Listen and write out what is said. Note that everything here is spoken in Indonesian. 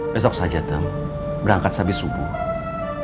besok saja tem berangkat sabit subuh